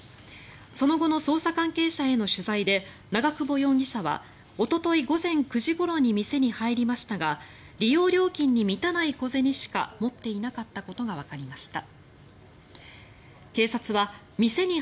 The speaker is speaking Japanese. その後の捜査関係者への取材で長久保容疑者はおととい午前９時ごろに店に入りましたが利用料金に満たない小銭しか持っていなかったことがわかりました。